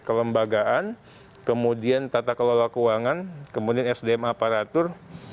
kelembagaan kemudian tata kelola keuangan kemudian sdm aparatur